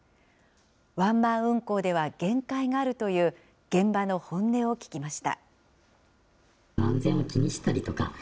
ワンマン運行では限界があるという現場の本音を聞きました。